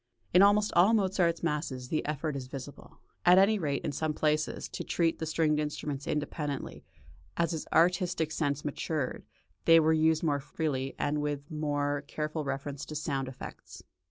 In almost all Mozart's masses the effort is visible, at any rate in some places, to treat the stringed instruments independently; as his artistic sense matured, they were used more freely, and with more careful reference to sound effects.